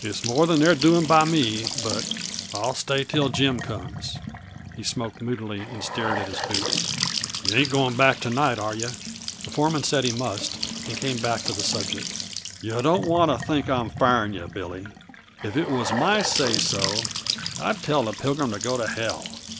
It's more than they're doing by me, but I'll stay till Jim comes." He smoked moodily, and stared at his boots. "Yuh ain't going back tonight, are yuh?" The foreman said he must, and came back to the subject. "Yuh don't want to think I'm firing yuh, Billy. If it was my say so, I'd tell the Pilgrim to go to hell.